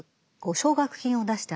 奨学金を出した。